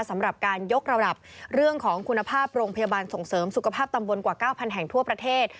สำหรับการยกระดับเรื่องของคุณภาพโรงพยาบาลส่งเสริมสุขภาพตำบลกว่า๙๐๐แห่งทั่วประเทศ